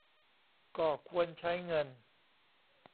ก็ควรใช้เงิน